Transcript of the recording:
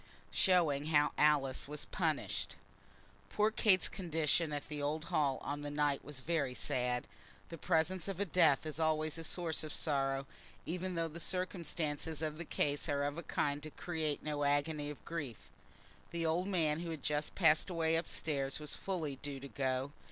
Showing How Alice Was Punished. Poor Kate's condition at the old Hall on that night was very sad. The presence of death is always a source of sorrow, even though the circumstances of the case are of a kind to create no agony of grief. The old man who had just passed away up stairs was fully due to go.